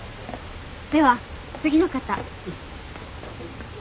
では次の方。